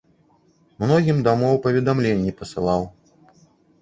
Многім дамоў паведамленні пасылаў.